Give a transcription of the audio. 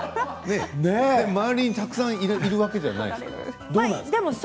周りにたくさんいるわけじゃないでしょう。